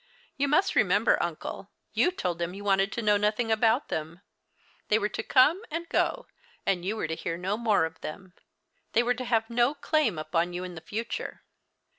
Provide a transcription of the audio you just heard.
You must remember, uncle, you told him you wanted to know nothing about them. They Avere to come and go, and you Avere to hear no more of them. They were to have no claim upon you in the future.